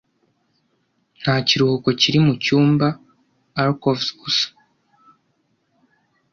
Nta kiruhuko kiri mucyumba, alcoves gusa,